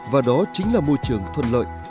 và đó chính là môi trường thuận lợi